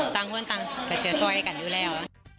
ตั้งเล่นตั้งจะช่วยให้กันอยู่แล้ว